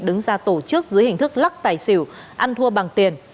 đứng ra tổ chức dưới hình thức lắc tài xỉu ăn thua bằng tiền